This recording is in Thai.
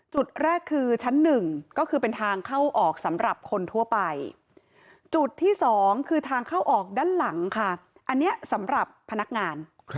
จุดแรกคือชั้นหนึ่งก็คือเป็นทางเข้าออกสำหรับคนทั่วไปจุดที่สองคือทางเข้าออกด้านหลังค่ะอันนี้สำหรับพนักงาน